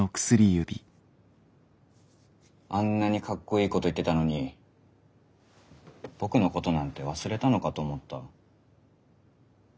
あんなにかっこいいこと言ってたのに僕のことなんて忘れたのかと思った。